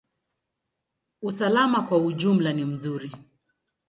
Usalama kwa ujumla ni nzuri.